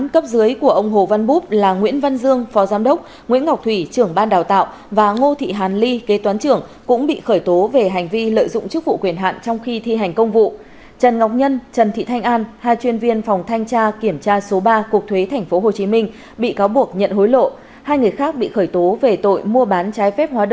các bạn hãy đăng ký kênh để ủng hộ kênh của chúng mình nhé